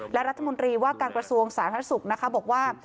และรัฐมนตรีว่าการประสุนวงศ์สารรัฐสุขบอกว่า